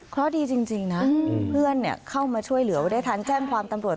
เพราะดีจริงนะเพื่อนเข้ามาช่วยเหลือไว้ได้ทันแจ้งความตำรวจ